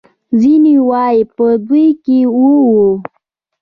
ځینې وايي په دوی کې اوه وو.